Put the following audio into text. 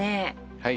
はい。